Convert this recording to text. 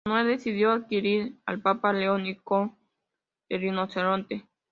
Manuel decidió obsequiar al Papa León X con el rinoceronte.